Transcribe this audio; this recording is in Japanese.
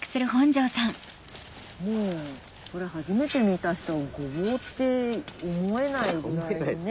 もうこれ初めて見た人ゴボウって思えないぐらいね。